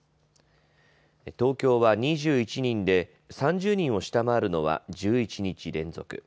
東京は２１人で３０人を下回るのは１１日連続。